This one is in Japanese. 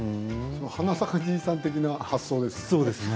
花咲かじいさん的な発想ですね。